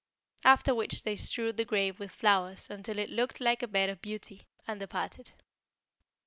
After which they strewed the grave with flowers until it looked like a bed of beauty, and departed.